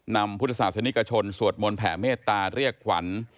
นำพุทธศาสนิกชนสวดมนต์แผ่เมตตาเรียกขวัญ